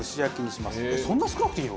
そんな少なくていいの？